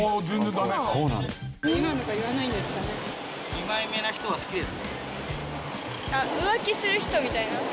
二枚目な人は好きですか？